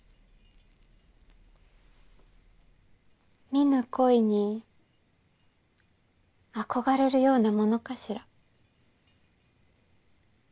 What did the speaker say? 見ぬ恋に憧れるようなものかしら。